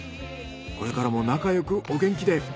これからも仲よくお元気で。